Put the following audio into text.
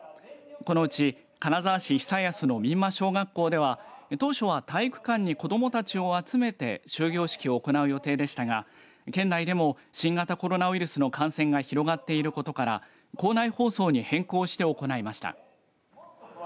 このうち金沢市久安の三馬小学校では当初は体育館に子どもたちを集めて終業式を行う予定でしたが県内でも新型コロナウイルスの感染が広がっていることから校内放送に変更して行いました。